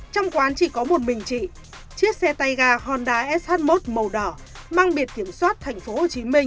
trong quán chỉ có một mình chị chiếc xe tay ga honda sh một màu đỏ mang biệt kiểm soát tp hcm